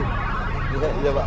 ya ya pak